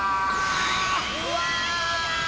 うわ！